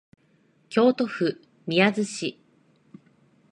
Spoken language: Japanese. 京都府宮津市